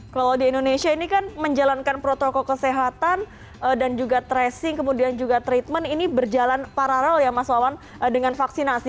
kalau di indonesia ini kan menjalankan protokol kesehatan dan juga tracing kemudian juga treatment ini berjalan paralel ya mas wawan dengan vaksinasi